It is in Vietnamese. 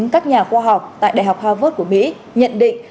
các nhà khoa học tại đại học harvard của mỹ nhận định